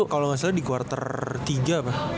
kan kalau gak salah di quarter tiga apa